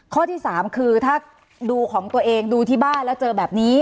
ข้อที่๓คือถ้าดูของตัวเองดูที่บ้านแล้วเจอแบบนี้